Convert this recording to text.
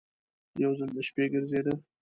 یو ځل د شپې ګرځېده.